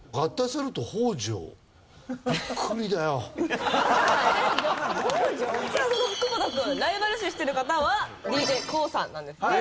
その福本君ライバル視してる方はＤＪＫＯＯさんなんですね。